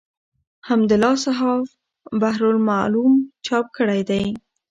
حمدالله صحاف بحر الملوم چاپ کړی دﺉ.